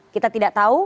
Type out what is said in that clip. kita tidak tahu